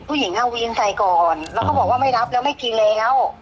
ผู้หญิงเอาวีนใส่ก่อนแล้วก็บอกว่าไม่รับแล้วไม่กินแล้ว